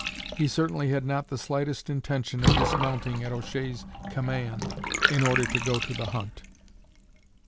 He certainly had not the slightest intention of dismounting at O'Shea's command in order to go to the hunt.